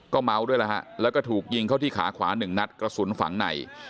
เมาด้วยแล้วฮะแล้วก็ถูกยิงเข้าที่ขาขวาหนึ่งนัดกระสุนฝังใน